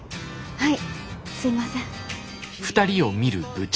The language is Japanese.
はい。